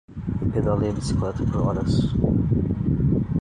Eu pedalei a bicicleta por horas.